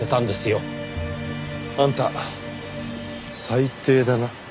あんた最低だな。